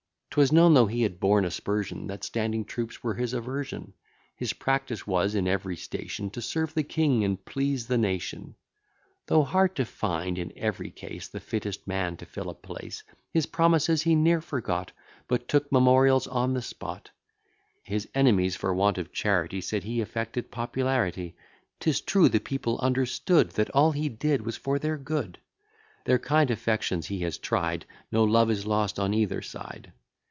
'Twas known, though he had borne aspersion, That standing troops were his aversion: His practice was, in every station: To serve the king, and please the nation. Though hard to find in every case The fittest man to fill a place: His promises he ne'er forgot, But took memorials on the spot; His enemies, for want of charity, Said, he affected popularity: 'Tis true, the people understood, That all he did was for their good; Their kind affections he has tried; No love is lost on either side.